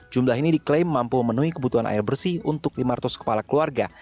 jumlah ini diklaim mampu memenuhi kebutuhan air bersih untuk lima ratus kepala keluarga